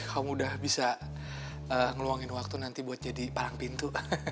kamu udah bisa ngeluangin waktu nanti buat jadi palang pintu